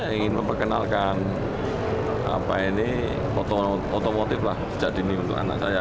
saya ingin memperkenalkan apa ini otomotif lah sejadinya untuk anak saya